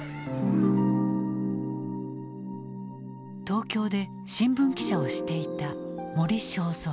東京で新聞記者をしていた森正蔵。